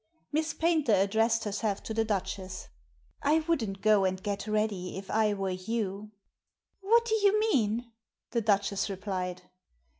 Miss Paynter addressed herself to the Duchess. " I wouldn't go and get ready if I were you." "What do you mean?" the Duchess replied.